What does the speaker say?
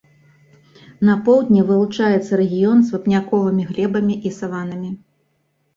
На поўдні вылучаецца рэгіён з вапняковымі глебамі і саваннамі.